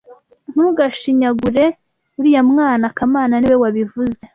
Ntugashinyagure uriya mwana kamana niwe wabivuze